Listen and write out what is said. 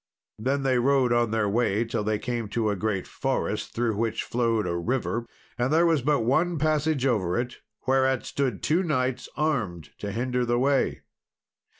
Then they rode on their way till they came to a great forest, through which flowed a river, and there was but one passage over it, whereat stood two knights armed to hinder the way.